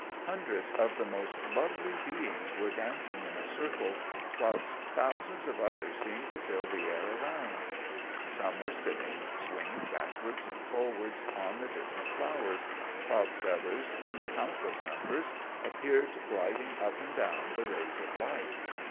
Hundreds of the most lovely beings were dancing in a circle, whilst thousands of others seemed to fill the air around. Some were sitting, swinging backwards and forwards, on the different flowers, whilst others, in countless numbers, appeared gliding up and down the rays of light.